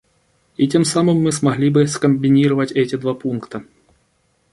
И тем самым мы смогли бы скомбинировать эти два пункта.